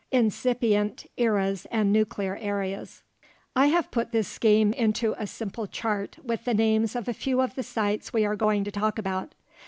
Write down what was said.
INCIPIENT ERAS AND NUCLEAR AREAS I have put this scheme into a simple chart (p. 111) with the names of a few of the sites we are going to talk about.